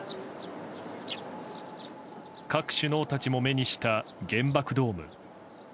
各首脳たちも目にした原爆ドーム。